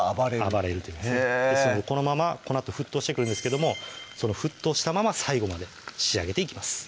暴れるという意味ですですのでこのままこのあと沸騰していくんですけども沸騰したまま最後まで仕上げていきます